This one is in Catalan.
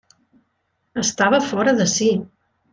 Estava fora de si.